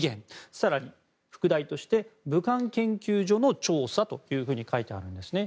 更に副題として武漢研究所の調査と書いてあるんですね。